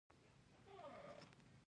ګل له نرمو پاڼو جوړ دی.